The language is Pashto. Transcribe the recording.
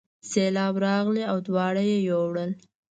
سیلاب راغی او دواړه یې یووړل.